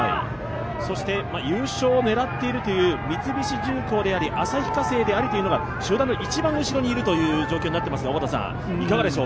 そして優勝を狙っているという三菱重工であり、旭化成が集団の一番後ろにいるという状況になっていますが。